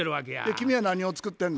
君は何を作ってんの？